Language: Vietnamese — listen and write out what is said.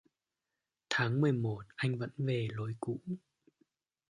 Tháng mười một anh vẫn về lối cũ